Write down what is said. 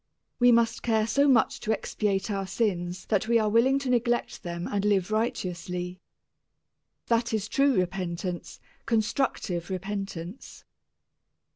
We must care so much to expiate our sins that we are willing to neglect them and live righteously. That is true repentance, constructive repentance.